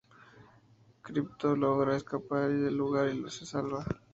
Crypto logra escapar del lugar y se salva.